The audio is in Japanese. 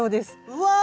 うわ。